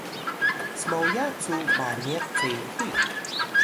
smoya cu maniq cehuy